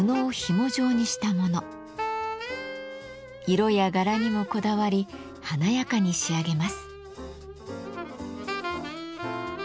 色や柄にもこだわり華やかに仕上げます。